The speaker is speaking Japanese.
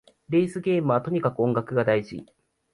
レースゲームはとにかく音楽が大事